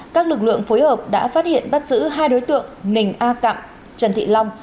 các lực lượng phối hợp đã phát hiện bắt giữ hai đối tượng ninh a cạm trần thị long